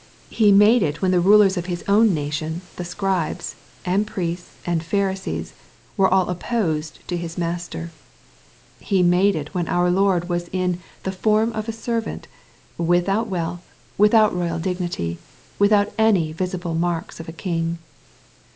He made it when the rulers of his own nation, the Scribes, and Priests, and Pharisees, were all opposed to his Master. He made itwhen our Lord was in the "form of a servant," without wealth, without royal dignity, without any visible marks of a King.